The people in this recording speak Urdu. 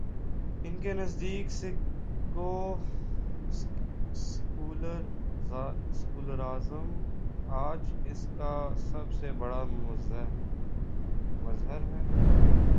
ان کے نزدیک سیکولرازم، آج اس کا سب سے بڑا مظہر ہے۔